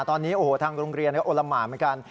ตอนนี้โอ้โหทางโรงเรียนก็โอละหมานเหมือนกัน